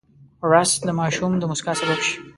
رس د ماشوم د موسکا سبب شي